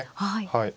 はい。